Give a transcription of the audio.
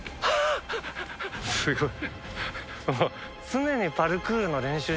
すごい。